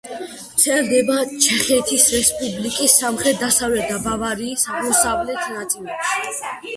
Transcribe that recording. ვრცელდება ჩეხეთის რესპუბლიკის სამხრეთ-დასავლეთ და ბავარიის აღმოსავლეთ ნაწილებში.